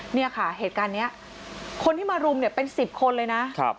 เนี่ยค่ะเหตุการณ์นี้คนที่มารุมเนี่ยเป็น๑๐คนเลยนะ